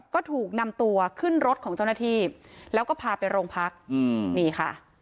ก็ถูกนำตัวขึ้นรถของเจ้าหน้าที่แล้วก็พาไปโรงพักอืมนี่ค่ะ